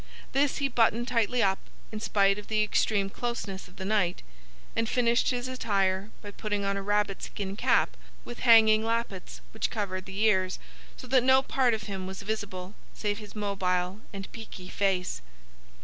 This he buttoned tightly up, in spite of the extreme closeness of the night, and finished his attire by putting on a rabbit skin cap with hanging lappets which covered the ears, so that no part of him was visible save his mobile and peaky face.